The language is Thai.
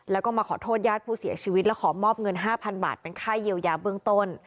แล้วก็มาขอโทษญาติผู้เสียชีวิตแล้วขอมอบเงิน๕๐๐บาทเป็นค่าเยียวยาเบื้องต้น